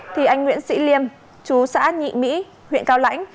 thì anh nguyễn sĩ liêm chú xã nhị mỹ huyện cao lãnh